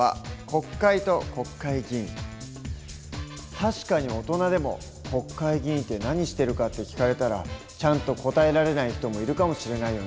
確かに大人でも国会議員って何してるかって聞かれたらちゃんと答えられない人もいるかもしれないよね。